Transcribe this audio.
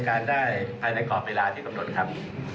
ราซากี่ถึงครับติดตรงเลยตย้า